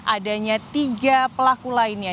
adanya tiga pelaku lainnya